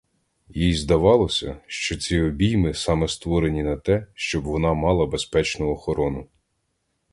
Їй здавалося, що ці обійми саме створені на те, щоб вона мала безпечну охорону.